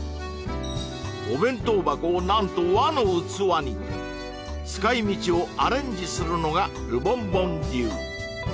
お弁当箱を何と和の器に使い道をアレンジするのがルボンボン流